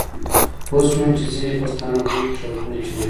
پوی شوم چې ځینې پښتانه لوی ټرکونه چلوي.